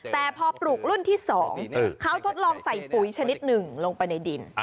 แต่พอปลูกรุ่นที่๒เขาทดลองใส่ปุ๋ยชนิดหนึ่งลงไปในดิน